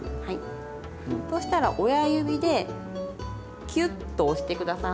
そうしたら親指でキュッと押して下さい。